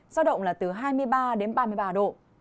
giao động là từ hai mươi ba đến ba mươi ba độ